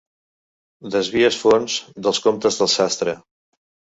Desvies fons dels comptes del sastre.